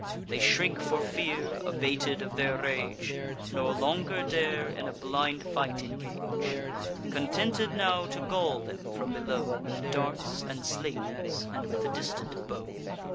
They shrink for fear, abated of their rage, Nor longer dare in a blind fight engage; Contented now to gall them from below With darts and slings, and with the distant bow.